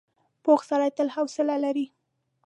پوخ سړی تل حوصله لري